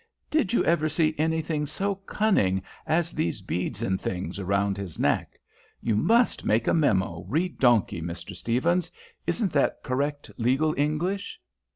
Did you ever see anything so cunning as these beads and things round his neck? You must make a memo, re donkey, Mr. Stephens. Isn't that correct legal English?"